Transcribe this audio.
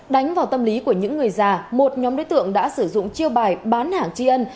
đánh vào tâm lý của những người già một nhóm đối tượng đã sử dụng chiêu bài bán hàng tri ân